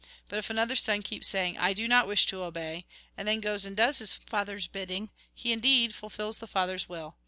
But if another son keeps saying, ' I do not wish to obey,' and then goes and does his father's bidding, he indeed fulfils the father's will.